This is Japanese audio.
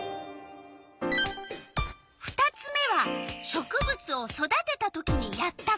２つ目は植物を育てた時にやったこと。